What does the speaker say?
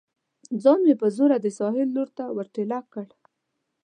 ځان مې په زوره د ساحل لور ته ور ټېله کړ.